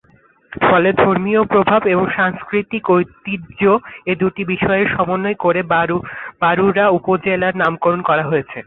ফলে ধর্মীয় প্রভাব এবং সংস্কৃতিক ঐতিহ্য এ দুটি বিষয়কে সমন্বয় করে বরুড়া উপজেলার নামকরণ করা হয়েছে।